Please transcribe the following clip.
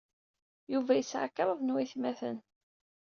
Yuba yesɛa kraḍ n waytmaten.